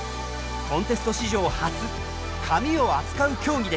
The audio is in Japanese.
コンテスト史上初紙を扱う競技です。